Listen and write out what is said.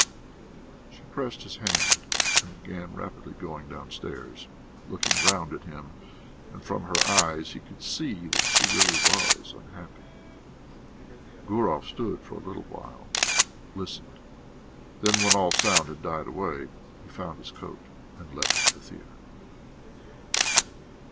She pressed his hand and began rapidly going downstairs, looking round at him, and from her eyes he could see that she really was unhappy. Gurov stood for a little while, listened, then, when all sound had died away, he found his coat and left the theatre.